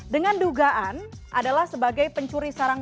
dengan dugaan adalah sebagai pencuri sarang